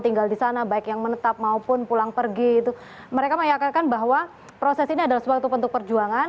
tinggal di sana baik yang menetap maupun pulang pergi itu mereka meyakkan bahwa proses ini adalah suatu bentuk perjuangan